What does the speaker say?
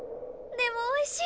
でもおいしい！